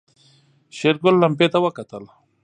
شېرګل لمپې ته وکتل.